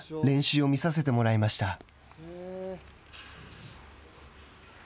練習を見させてもらいました。